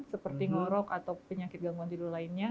seperti ngorok atau penyakit gangguan tidur lainnya